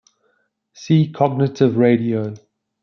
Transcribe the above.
See cognitive radio.